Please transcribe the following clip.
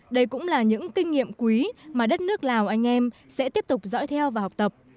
đây cũng là những kinh nghiệm quý mà đất nước lào anh em sẽ tiếp tục dõi theo và học tập